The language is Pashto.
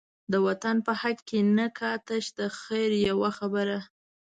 د وطن په حق کی نه کا، تش د خیر یوه خبره